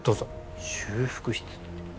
修復室。